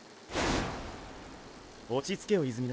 落ち着けよ泉田。